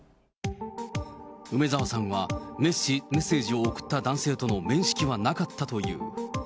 梅澤さんはメッセージを送った男性との面識はなかったという。